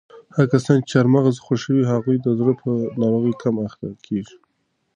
هغه کسان چې چهارمغز خوښوي هغوی د زړه په ناروغیو کم اخته کیږي.